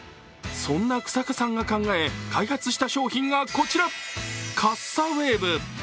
そんな日下さんが考え開発した商品がこちら、カッサウェーブ。